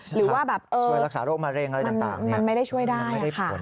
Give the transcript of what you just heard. หรือว่าแบบช่วยรักษาโรคมะเร็งอะไรต่างมันไม่ได้ช่วยได้